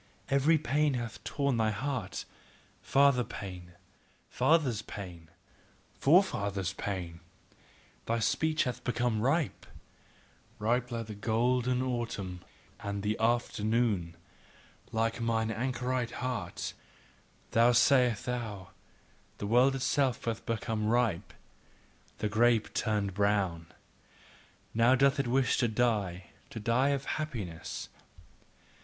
Every pain hath torn thy heart, father pain, fathers' pain, forefathers' pain; thy speech hath become ripe, Ripe like the golden autumn and the afternoon, like mine anchorite heart now sayest thou: The world itself hath become ripe, the grape turneth brown, Now doth it wish to die, to die of happiness.